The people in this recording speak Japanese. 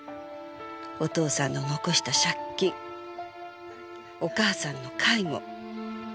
お父さんの残した借金お母さんの介護